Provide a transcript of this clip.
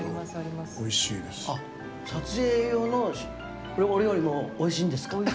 撮影用のお料理もおいしいんですか？